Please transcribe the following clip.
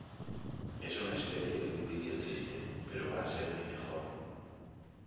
Es una especie de un video triste, pero va a ser mi mejor.